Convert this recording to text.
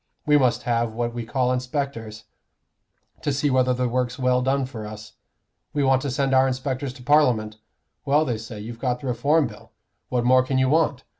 We must have what we call inspectors, to see whether the work's well done for us. We want to send our inspectors to Parliament. Well, they say you've got the Reform Bill; what more can you want?